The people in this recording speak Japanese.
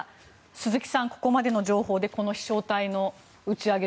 鈴木さん、ここまでの情報で飛翔体の打ち上げ